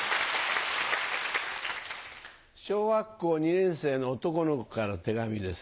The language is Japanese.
小学校２年生の男の子から手紙です。